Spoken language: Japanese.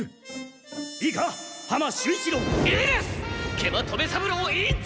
食満留三郎委員長！